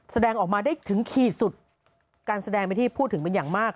แสดงออกมาได้ถึงขีดสุดการแสดงเป็นที่พูดถึงเป็นอย่างมาก